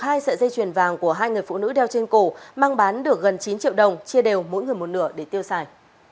hai sợi dây chuyền vàng của hai người phụ nữ đeo trên cổ mang bán được gần chín triệu đồng chia đều mỗi người một nửa để tiêu xài